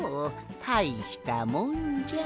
たいしたもんじゃ。